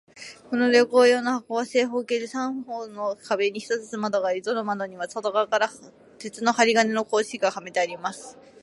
この旅行用の箱は、正方形で、三方の壁に一つずつ窓があり、どの窓にも外側から鉄の針金の格子がはめてあります。